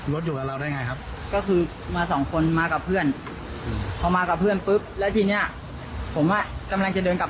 ก็เจ้าทุกข์บอกว่าเขาก็ขี่ตามเราจากตลาดมา